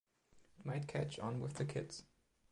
It might catch on with the kids.